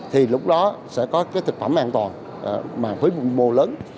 thì lúc đó sẽ có thực phẩm an toàn mà với mùa lớn